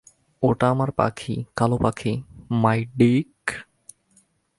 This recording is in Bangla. ওটা আমার পাখি, কালোপাখি।